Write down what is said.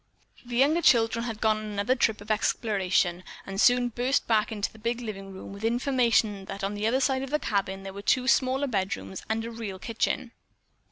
The younger children had gone on another trip of exploration, and soon burst back into the big living room with the information that on the other side of the cabin there were two smaller bedrooms and a real kitchen.